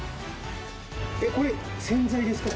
えっこれ洗剤ですか？